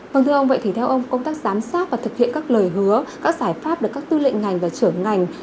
vâng thưa ông vậy thì theo ông công tác giám sát và thực hiện các lời hứa các giải pháp được các tư lệnh ngành và trưởng ngành